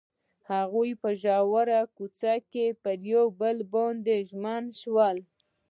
هغوی په ژور کوڅه کې پر بل باندې ژمن شول.